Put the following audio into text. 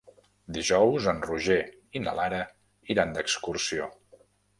Dijous en Roger i na Lara iran d'excursió.